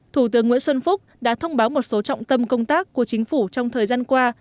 thủ tướng nguyễn xuân phúc đã thông báo một số trọng tâm công tác của chính phủ trong thời gian qua